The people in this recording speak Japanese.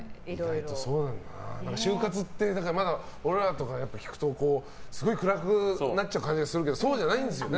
終活って俺らとか聞くとすごい暗くなっちゃう感じがするけどそうじゃないんですよね。